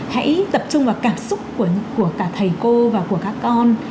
hãy tập trung vào cảm xúc của cả thầy cô và của các con